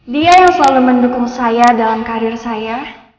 dia yang selalu mendukung saya dalam karir saya